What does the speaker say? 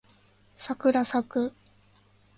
さくらさく